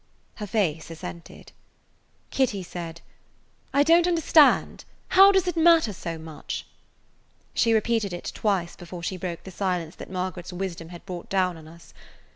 Her face assented. Kitty said: "I don't understand. How does it matter so much?" She repeated it twice before she broke the silence that Margaret's wisdom had brought down on us.